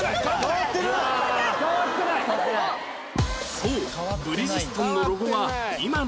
そうブリヂストンのロゴは今のもの